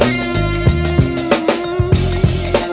nggak ada yang denger